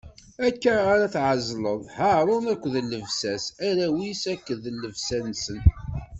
Akka ara tɛezleḍ Haṛun akked llebsa-s, arraw-is akked llebsa-nsen.